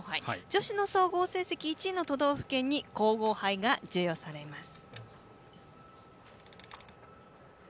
女子の総合成績１位の都道府県に皇后杯が授与されます。